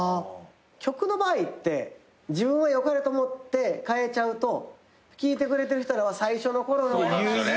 曲の場合って自分は良かれと思って変えちゃうと聴いてくれてる人らは最初のころの。